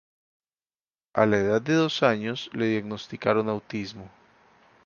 A la edad de dos años, le diagnosticaron autismo.